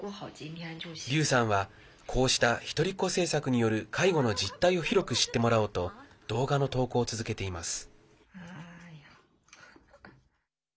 劉さんは、こうした一人っ子政策による介護の実態を広く知ってもらおうと動画の投稿を続けています。